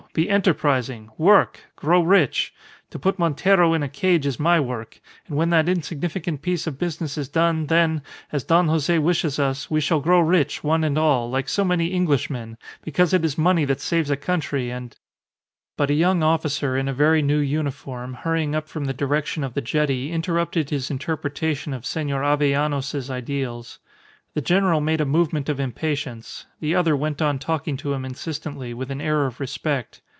Be enterprising! Work! Grow rich! To put Montero in a cage is my work; and when that insignificant piece of business is done, then, as Don Jose wishes us, we shall grow rich, one and all, like so many Englishmen, because it is money that saves a country, and " But a young officer in a very new uniform, hurrying up from the direction of the jetty, interrupted his interpretation of Senor Avellanos's ideals. The general made a movement of impatience; the other went on talking to him insistently, with an air of respect.